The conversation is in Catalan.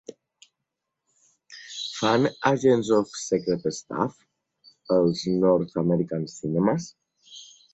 Fan "Agents of Secret Stuff" als North American Cinemas?